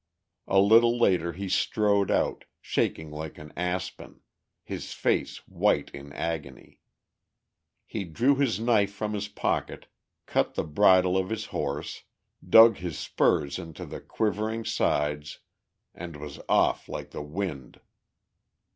A little later he strode out, shaking like an aspen, his face white in agony. He drew his knife from his pocket, cut the bridle of his horse, dug his spurs into the quivering sides, and was off like the wind.